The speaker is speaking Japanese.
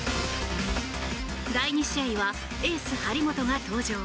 第２試合はエース、張本が登場。